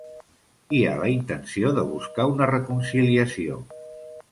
Hi ha la intenció de buscar una reconciliació